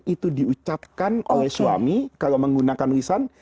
itu diucapkan oleh suami kalau menggunakan lisan